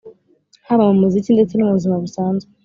haba mu muziki ndetse no mu buzima busanzwe.